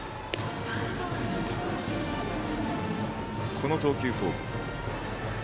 この投球フォーム。